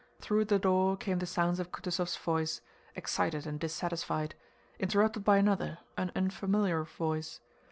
Through the door came the sounds of Kutúzov's voice, excited and dissatisfied, interrupted by another, an unfamiliar voice.